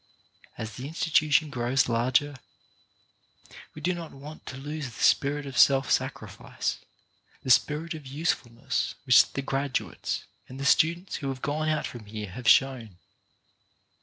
As the institution grows larger, we do not want to lose the spirit of self sacrifice, the spirit of usefulness which the graduates and the students who have gone out from here have shown.